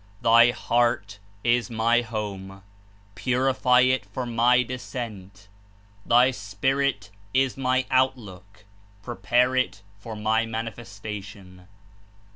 Thy heart is my Home: purify it for my Descent. Thy spirit is my Outlook: prepare it for my Manifestation/^ (A.